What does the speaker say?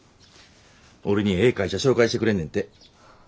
俺にええ会社紹介してくれんねんて。